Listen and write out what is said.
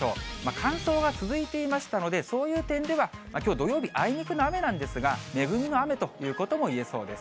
乾燥が続いていましたので、そういう点では、きょう土曜日、あいにくの雨なんですが、恵みの雨ということも言えそうです。